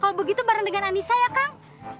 kalau begitu bareng dengan anissa ya kang